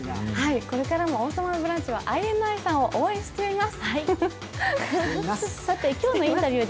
これからも「王様のブランチ」はＩＮＩさんを応援しています。